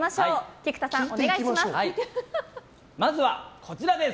菊田さん、お願いします。